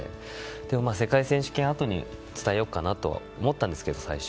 でも世界選手権のあとに伝えようかなと思ったんですが、最初。